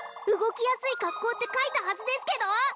動きやすい格好って書いたはずですけど！？